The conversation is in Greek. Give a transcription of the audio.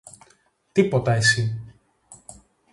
Τίποτα εσύ!